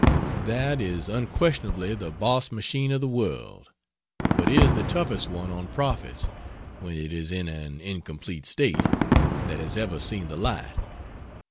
That is unquestionably the boss machine of the world, but is the toughest one on prophets, when it is in an incomplete state, that has ever seen the light.